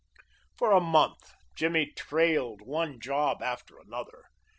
For a month Jimmy trailed one job after another.